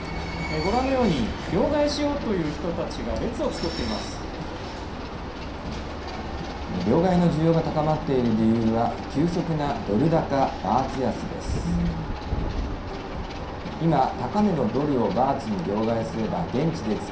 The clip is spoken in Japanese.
ご覧のように両替しようという人両替の需要が高まっている理由は、急速なドル高バーツ安です。